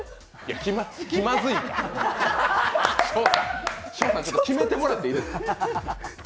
紫耀君、ちょっとキメてもらっていいですか？